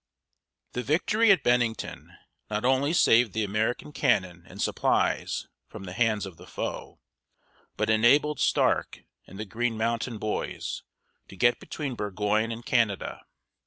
The victory at Bennington not only saved the American cannon and supplies from the hands of the foe, but enabled Stark and the Green Mountain Boys to get between Burgoyne and Canada.